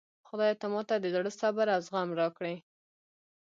خدایه ته ماته د زړه صبر او زغم راکړي